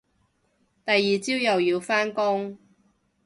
第二朝又要返工